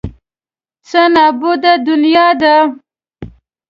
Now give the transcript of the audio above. څه نابوده دنیا ده.